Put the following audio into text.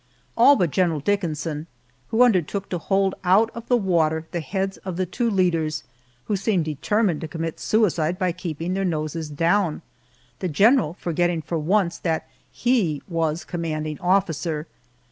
All but General Dickinson, who undertook to hold out of the water the heads of the two leaders who seemed determined to commit suicide by keeping their noses down, the general forgetting for once that he was commanding officer.